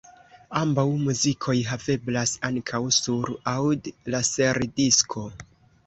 Ambaŭ muzikoj haveblas ankaŭ sur aŭd-laserdisko.